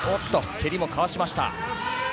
蹴りもかわしました。